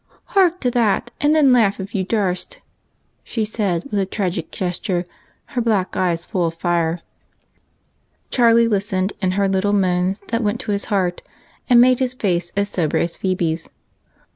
Hark to that, and then laugh if you darst," she said with a tragic gesture, and her black eyes full of fire. Charlie listened and heard little moans that went to his heart and made his face as sober as Phebe's.